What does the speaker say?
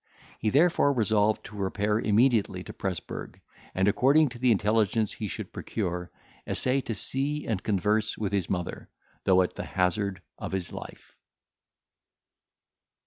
He therefore resolved to repair immediately to Presburg; and, according to the intelligence he should procure, essay to see and converse with his mother, though at the hazard of his life.